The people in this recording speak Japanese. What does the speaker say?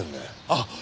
あっ！